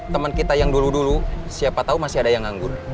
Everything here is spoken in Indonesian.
teman kita yang dulu dulu siapa tahu masih ada yang nganggur